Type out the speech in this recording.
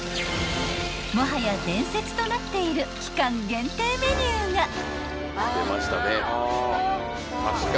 ［もはや伝説となっている期間限定メニューが］